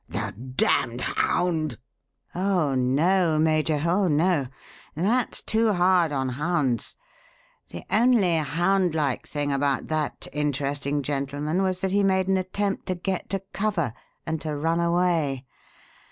"The damned hound!" "Oh, no, Major, oh, no that's too hard on hounds. The only houndlike thing about that interesting gentleman was that he made an attempt to 'get to cover' and to run away.